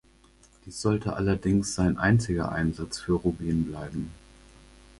Dies sollte allerdings sein einziger Einsatz für Rubin bleiben.